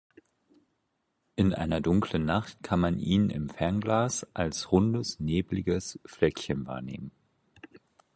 In einer dunklen Nacht kann man ihn im Fernglas als rundes, nebliges Fleckchen wahrnehmen.